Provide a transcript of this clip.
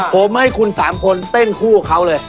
ผมให้คุณ๓คนเต้นคู่กับเขาเลย